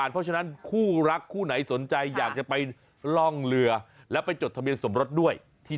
พยานรักน่าคาโรงวิวามหาหน้าที